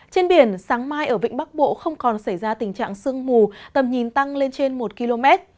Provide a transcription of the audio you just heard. trên biển sáng mai ở vịnh bắc bộ không còn xảy ra tình trạng sương mù tầm nhìn tăng lên trên một km